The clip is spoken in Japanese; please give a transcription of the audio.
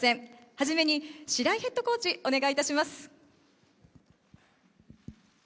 初めに白井ヘッドコーチ、お願いします。